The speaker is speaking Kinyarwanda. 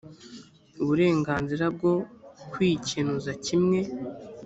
uburenganzira bwo kwikenuza kimwe